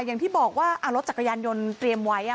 อย่างที่บอกว่ารถจักรยานยนต์เตรียมไว้